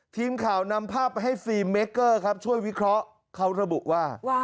ทีมข่าวนำภาพไปให้ฟิล์มเมเกอร์ครับช่วยวิเคราะห์เขาระบุว่า